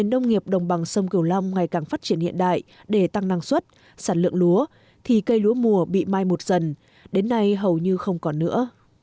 nông nghiệp đồng bằng sông kiều long ngày càng phát triển hiện đại để tăng năng suất sản lượng lúa thì cây lúa mùa bị mai một dần đến nay hầu như không còn nữa